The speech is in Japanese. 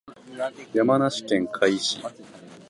山梨県甲斐市